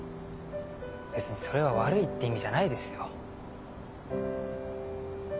別にそれは悪いって意味じゃないですよ。